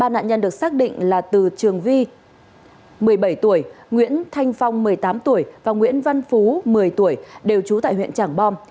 ba nạn nhân được xác định là từ trường vi một mươi bảy tuổi nguyễn thanh phong một mươi tám tuổi và nguyễn văn phú một mươi tuổi đều trú tại huyện trảng bom